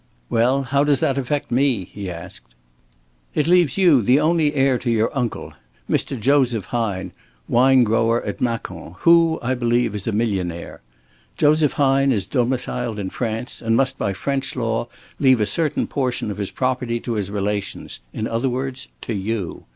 "Well, how does that affect me?" he asked. "It leaves you the only heir to your uncle, Mr. Joseph Hine, wine grower at Macon, who, I believe, is a millionaire. Joseph Hine is domiciled in France, and must by French law leave a certain portion of his property to his relations, in other words, to you.